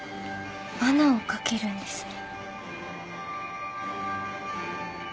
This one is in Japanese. わなをかけるんですね。